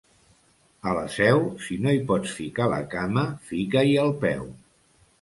A la seu, si no hi pots ficar la cama, fica-hi el peu.